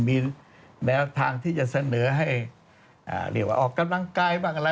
มีแนวทางที่จะเสนอให้เรียกว่าออกกำลังกายบ้างอะไร